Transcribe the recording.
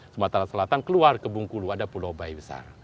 sumatera selatan keluar ke bung kulu ada pulau bai besar